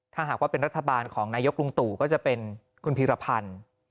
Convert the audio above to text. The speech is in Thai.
ถ้าหากว่าเป็นรัฐบาลของนายกลุงตู่ก็จะเป็นคุณพีรพันธ์